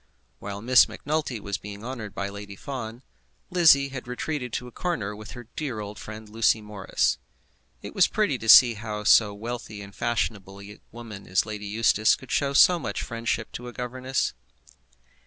While Miss Macnulty was being honoured by Lady Fawn, Lizzie had retreated to a corner with her old dear friend Lucy Morris. It was pretty to see how so wealthy and fashionable a woman as Lady Eustace could show so much friendship to a governess.